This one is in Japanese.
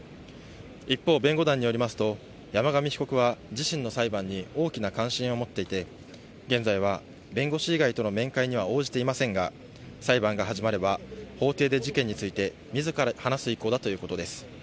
一方、弁護団によりますと、山上被告は、自身の裁判に大きな関心を持っていて、現在は弁護士以外との面会には応じていませんが、裁判が始まれば、法廷で事件について、みずから話す意向だということです。